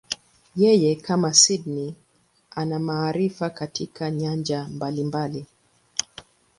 Yeye, kama Sydney, ana maarifa katika nyanja mbalimbali.